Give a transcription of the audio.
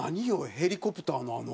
ヘリコプターのあの。